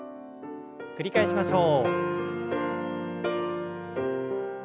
繰り返しましょう。